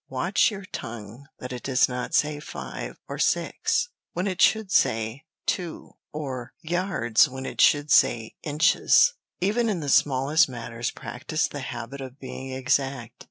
Watch your tongue that it does not say five or six when it should say two, or yards when it should say inches. Even in the smallest matters, practise the habit of being exact.